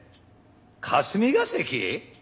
霞が関！？